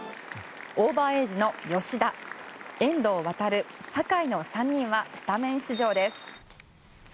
オーバーエージの吉田遠藤航、酒井の３人はスタメン出場です。